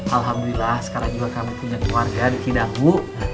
alhamdulillah sekarang juga kami punya keluarga di kidahu